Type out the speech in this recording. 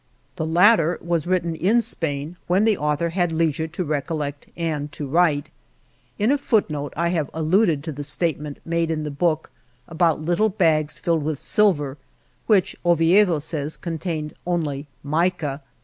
The latter was written in Spain, when the author had leisure to recol lect and to write. In a foot note I have al luded to the statement, made in the book, about little bags filled with silver, which, Oviedo says, contained only mica.